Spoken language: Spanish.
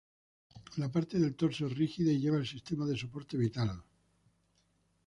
La parte del torso es rígida y lleva el sistema de soporte vital.